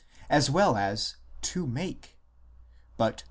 as well as "to make "; but 1 The R.